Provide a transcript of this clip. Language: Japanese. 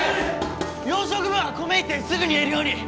洋食部は米炒ってすぐ煮えるように！